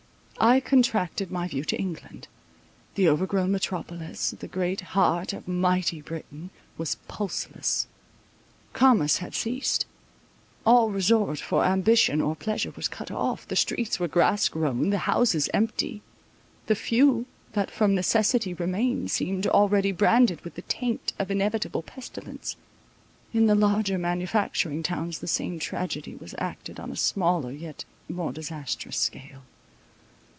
I contracted my view to England. The overgrown metropolis, the great heart of mighty Britain, was pulseless. Commerce had ceased. All resort for ambition or pleasure was cut off—the streets were grass grown—the houses empty—the few, that from necessity remained, seemed already branded with the taint of inevitable pestilence. In the larger manufacturing towns the same tragedy was acted on a smaller, yet more disastrous scale.